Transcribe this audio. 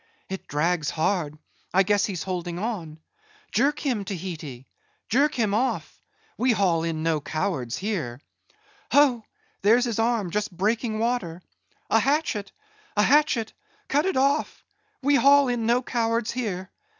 It drags hard; I guess he's holding on. Jerk him, Tahiti! Jerk him off; we haul in no cowards here. Ho! there's his arm just breaking water. A hatchet! a hatchet! cut it off—we haul in no cowards here.